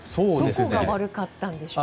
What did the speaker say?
どこが悪かったんでしょう？